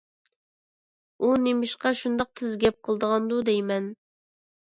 ئۇ نېمىشقا شۇنداق تېز گەپ قىلىدىغاندۇ دەيمەن؟